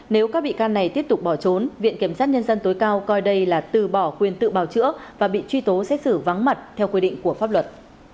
nếu các bị can này tiếp tục bỏ trốn viện kiểm sát nhân dân tối cao coi đây là từ bỏ quyền tự bào chữa và bị truy tố xét xử vắng mặt theo quy định của pháp luật